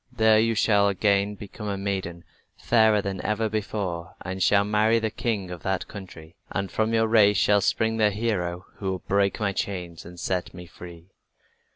There you shall again become a maiden, fairer than ever before, and shall marry the king of that country. And from your race shall spring the hero who will break my chains and set me free."